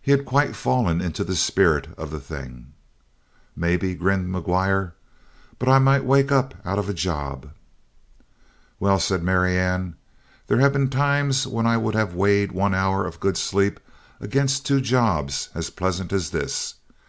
He had quite fallen into the spirit of the thing. "Maybe," grinned McGuire, "but I might wake up out of a job." "Well," said Marianne, "there have been times when I would have weighed one hour of good sleep against two jobs as pleasant as this.